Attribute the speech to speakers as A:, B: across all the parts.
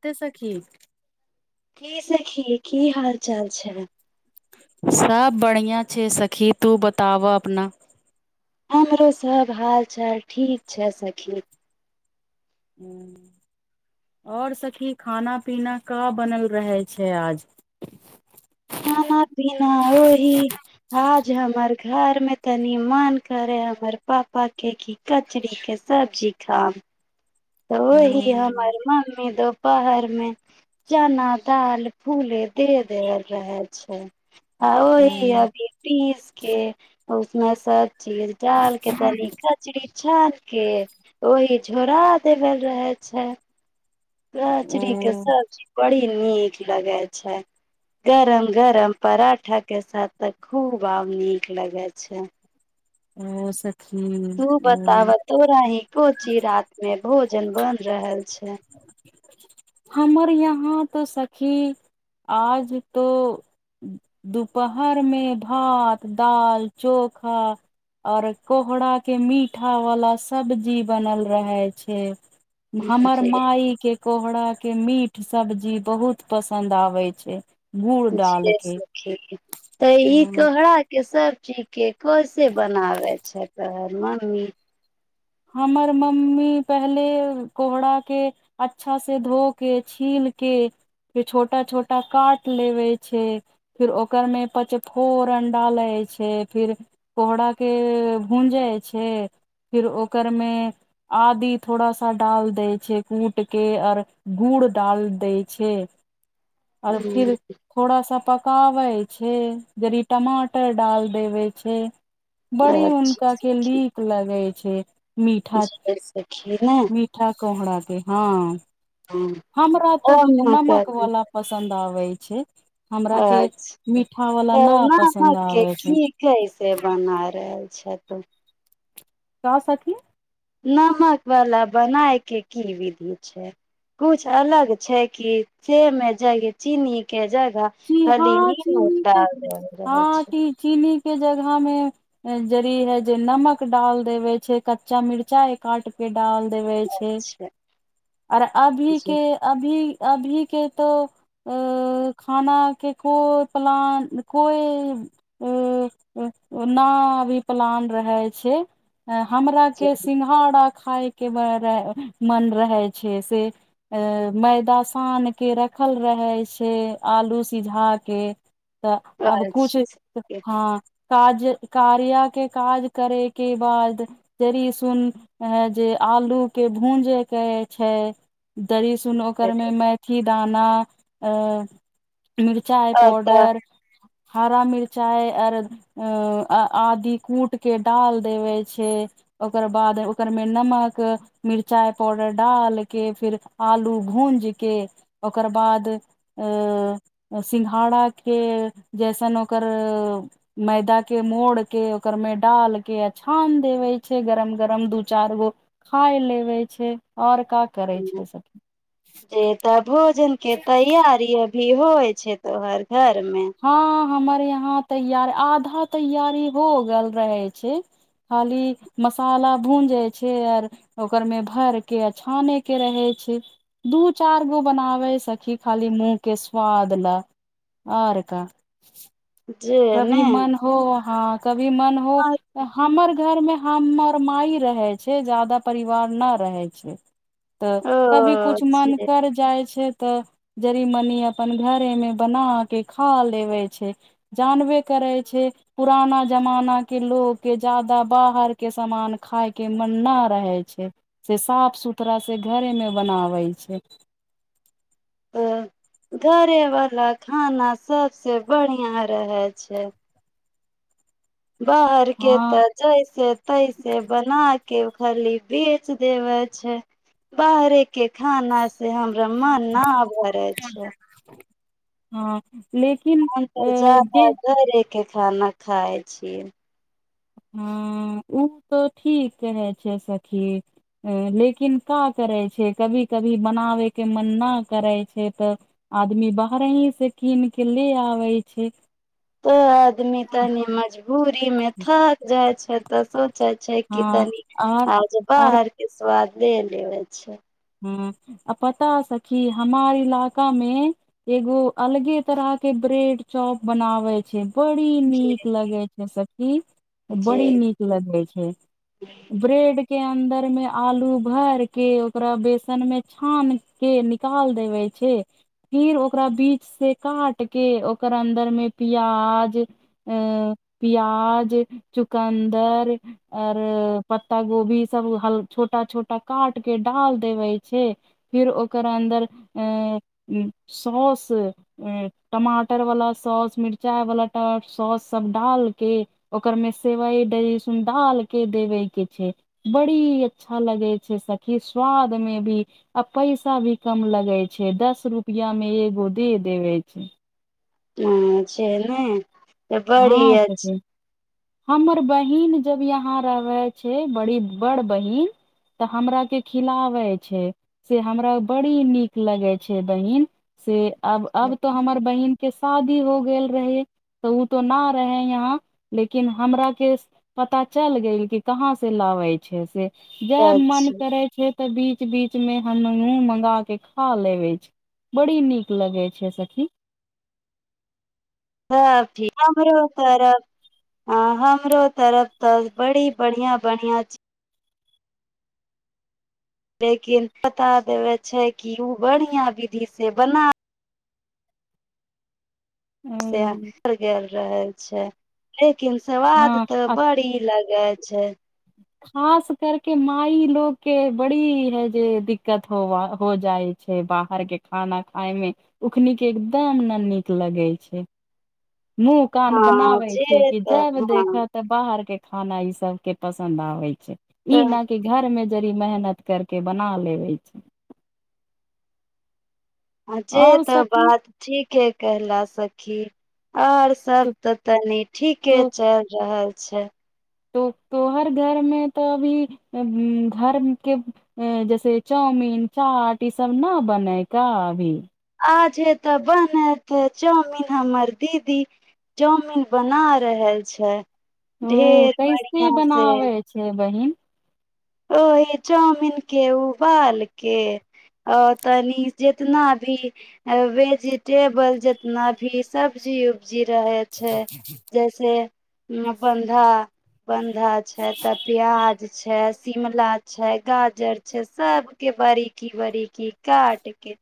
A: ते सखी
B: की सखी की हाल चाल छै
A: सब बढ़ियाँ छै सखी तू बतावह अपना
B: हमरो सब हालचाल ठीक छै सखी
A: आओर सखी खाना पीना का बनल रहै छै आज
B: खाना पीना ओही आज हमर घरमे तनी मन करे हमर पापाके कि कचरी के सब्जी खाउ तऽ ओहि
A: ओ
B: हमर मम्मी दो पहर मे चना दाल फूले दे देेवल रहे छै आ ओहहि अभी पीस के [unintelligible] चीज डालके तऽनी खचड़ी छान के ओहि छोड़ा भेल रहै छै
A: ओ
B: कचरी के सब्जी बड़ी नीक लगे छै गरम गरम पराठा के साथ त खूब आओर नीक लगे छै
A: ओ सें
B: [unintelligible] तू बताबतो री कोची रात में भोज [inaudible] भोजन बन रहल छै [unintelligible]
A: हमर यहाँ तो सखी आज तो दुपहर मे भात दाल चोखा आओर कोहराके मीठा वला सब्जी बनल रहै छै हमर
B: जी
A: माई के कोहरा के मीट सब्जी बहुत पसन्द आबै छै गुड़ डाल के
B: तऽ ई
A: उम्म
B: कहरा के स- ठीके कोसे बनावे छै तोहर मम्मी
A: हमर मम्मी पहिले कोहराके अच्छासँ धोके छीलके फेर छोटा छोटा काट लेबै छै फिर ओकरमे पचफोरन डाले छै फिर कोहराके भूँजै छै फिर ओ कूकर मे आदी थोड़ा सा डाल दै छै कूट के आओर गुड़ डाल दै छै आओर
B: ह
A: फिर थोड़ा सा पकाबै छै यदि टमाटर डाल देबै छै बड़ी
B: अच्छा
A: उनका के
B: सखी
A: लीक लगै ठीक मिठा
B: जी सखी ने ह
A: मिठा कोहरा के हँ हमरा तऽ
B: हम
A: नमक वला पसन्द पवई छै। हमरा के
B: अचछा,
A: मीठा
B: त
A: वाला न
B: नह
A: पसन्द
B: के
A: आबै छै
B: की कैसे बना रहल। छ तो।
A: क्य सखी।
B: नमक वाला बनाय के की विधि छै, कुछ अलग छै कि से मे जग चीनी के जग
A: जी हँ
B: खाली नीमू
A: चीनी के
B: रहल
A: हँ
B: छै।
A: चीनी के जगह में जड़ है जे नमक डाल देवे छै, कच्चा मिर्चा एक आठ पेट डाल देबे छै, आ ओर अभी
B: अच्छा
A: के
B: जी
A: अभी अभी के तो अ खानाक के कोइ प्लान, कोइ न अभी प्लान रहै छै। हमरा
B: जी
A: के सिंघाड़ा खााय के बड़ा मन रहे छै से, मैदा शान के रखल रहै छै। आलू सिझा के। तऽ आब कुछु हँ आज कार्या के काज करय के बाद जड़सुन जे आलू के भूजय के छै। दरी सुन ओकर मे मैथि दाना अ मिरचाइ
B: अच्छा तऽ
A: पौडर हरा मिर्चाइ आर आदि कूटि कऽ डालि देबै छै, ओकर बाद ओकर मे नमक मिर्चाइ पाउडर डालि कऽ फेर आलू भूज कऽ ओकर बाद सिंघाड़ा के जैसन ओकर मैदा के मोड़ के ओकर मे डालके छान देबै छै, गरम गरम दु चार गो खाय लेबै छै आ ओर का करै छै सखी।
B: जे तऽ भोजन के तैयारी अभी होइ छै तोहर घर मे
A: हँ हमर याँ तैयार आधा तैयारी हो गेल रहे छै, खाली मसाला भूजइ छै आर ओकर मे भर के छाने के रहे छै, दू चार गो बनाबे सखी खाली मुूँह के स्वाद ल आर का
B: जे
A: कभी
B: ने
A: मन हो हँ कब भी मन हो तऽ हमर घर मे हमर और माई रहै छै जादा परिवार न रहै छै। तऽ
B: ओ
A: कभी कुछु मन
B: जे
A: कर जाइ छै तऽ जड़ीमनी अपन घरे मे बना के खा लेबे छै। जानबे करै छै पुराना जमाना के लोक के जाादा बाहर के सामान खाय के मन नहि रहै छै से साफ सुथराा सँ घरे मे बनाबै छै।
B: त घरेवाला खाना सबसे बढ़िआ रहै छै। बाहर के
A: हँ
B: तऽ जैसे तैसे बना के खाली बेच देव छै बाहरे के खाना से हमरा मन ना भरे छै
A: हँ लेकिन अ
B: अंतर ज्यादा
A: जे
B: [unintelligible] के खाना खाइ छियै
A: हँ ओ तऽ ठीक कहै छै सखी लेकिन का करै छै कभी कभी बनाबै के मन ना करै छै तऽ आदमी बाहरे हीं से कीन कऽ ले आबै छै
B: त आदमी तनि मजबूर दिन मे थक जा- अच्छा तऽ स
A: हँ आर आर
B: [unintelligible] ले लेबै छै
A: ह आ पता सखी हमार इलाका मे एगो अलगे तरह के ब्रेड चाप बनाबे छै बड़ी नीक लगे छै सखी बड़ी
B: जी
A: नीक लगे छै ब्रेड के अन्दर में आलू भर के ओकरा बेसन मे छान के निकाल देवे छै फिर ओकरा बीच से काट के ओकर अन्दर में प्याज प्याज चुकन्दर आओर पत्ता गोभी सब छोटा छोटा काट के डाल देवे छै फिर ओकर अन्दर सॉस टमाटर वाला सौस मिरचाई वाला सौस सब डाल के ओकर मे सेवई दहीसब डाल के देवे के छै बड़ी अच्छा लगे छै के स्वाद मे भी आ पैसा भी कम लगे छै दस रुपआ मे एगो दे देवे छै
B: माँ छै ने बड़ी
A: हँ
B: अछि
A: सखी [unintelligible] [unintelligible] [unintelligible] [unintelligible]
B: अछि
A: [unintelligible] [unintelligible]
B: [unintelligible] [unintelligible]
A: हूँ
B: [unintelligible] ठीक
A: हँ आ
B: [unintelligible] अच्छा
A: [unintelligible] मुँह कान
B: हँ
A: बनाबे छै
B: जे
A: कि
B: तऽ
A: जायब
B: हँ
A: देखे तऽ बाहर के खाना ई सब के पसन्द आबे छै ई
B: तऽ
A: न कि घरमे [unintelligible]
B: जे तऽ बात ठीक है कहला सखी और सब
A: तो
B: त तनी ठीके
A: तो
B: चल रहल छे
A: तो तोहर घईर मे तऽ अभी घर के जैसे चाउमीन चाट ई सब ना बनेै त अभी।
B: आजे त बनेते चाउमिन हमर दीदी चाउमिन बना रहल छै।
A: ओ
B: ढेर
A: कैसे
B: बढ़िया से
A: बनाबे छै बहिन।
B: ओहि चाउमिन के उबाल के आ तनि जितना भी वेजिटेबल जितना भी सब्जी उ उ जी रहै छै जैसे। मै बंधा बं धा छै तऽ पिया ज छै। शिमला छै गाजर छै सभके बड़ीकी बड़ीकी काट क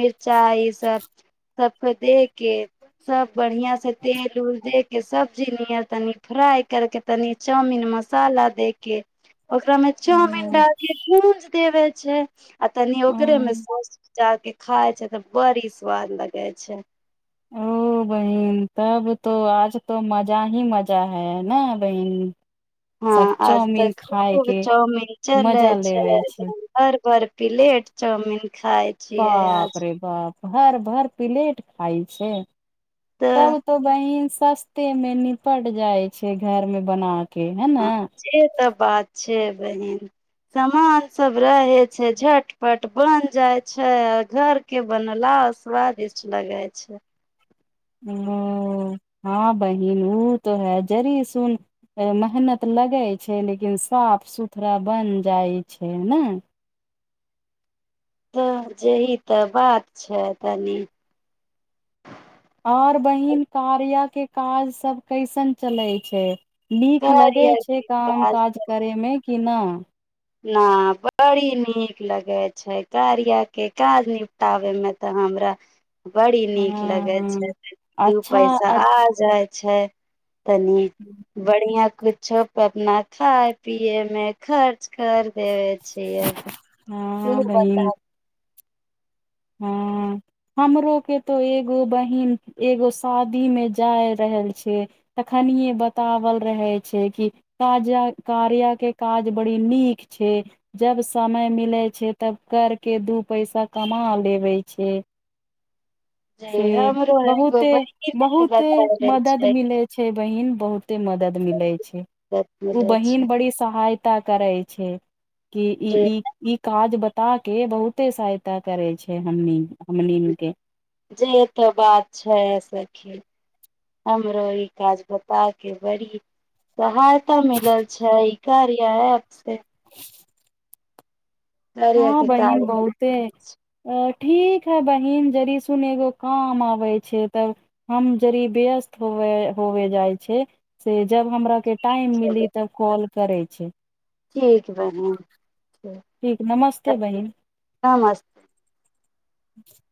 B: मिरचाइसभ सभके दे के सभ बढ़िआँ से तेल उल दे के सबजी नियर तनी फ्राइ करके तनी चाउमिन मसाला दे के। ओकरा में चाउमिन
A: हूँ
B: द के भूंज देबे। छै। आ तनी ओकरे में
A: हूँ
B: सौस डाल के खाय छै तऽ बड़ी स्वद लगे छै।
A: ओ बहिन तब तो आज तो मजा ही मजा हैै न बहिन। सब
B: हँ आज तऽ
A: चाउमिन खाय
B: खूब
A: के
B: चौमीन चलै
A: मजा
B: छै
A: लेबे
B: एकदम भर-भर। Pellet chowmein.
A: बाप रे बाप। भर भर प्लेट खाइ छै।
B: तऽ
A: तब तो बहिन स सस्ते में निपट जाय छै घर में बना के है ने
B: अछ से तऽ बात छै बहीन। सामान सब रहै छै झटपट बन जाइ छै आ घर के बनला स्वादिष्ट लगै छै।
A: ओ हँ बहिन ओ तो है जड़ सुन मेहनत लगै छै लेकिन साफ सुथरा बइन जाइ छै न।
B: तऽ जेही तऽ बात छै तनी।
A: आओर बहिन कार्या के काजसभ कैसन चलैत छै। नीक लगै
B: कार्य
A: छै
B: के
A: काम काज करे मे। किना।
B: ना बड़ी नीक लगै छै कारियाके काज निपटाबयमे तऽ हमरा। बड़ी नीक
A: हँ
B: लगे छै
A: हँ
B: दु
A: अच्छा
B: पैसा आ
A: अच
B: जाय। छै। तनी बढ़िया। कुछो पे अपना खााय पियए में खर च कर देबे छियै।
A: हँ बहिन
B: [unintelligible]
A: [unintelligible] [unintelligible] [unintelligible]
B: जे हमरो एगो बहिने बताबै छै मदद मिलै छै
A: [unintelligible] कि ई
B: जे
A: ई ई काज बत ता के बहुते सहायता करे छै के हमनी
B: [unintelligible] [unintelligible]
A: [unintelligible]
B: कार्य के काज
A: [unintelligible] [unintelligible] [unintelligible] करै छै
B: ठीक बहिन
A: ठीक नमस्ते बहिन
B: नमस्ते
A: [unintelligible]